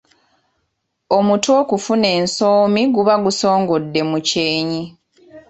Omutwe okufuna ensoomi guba gusongodde mu kyenyi.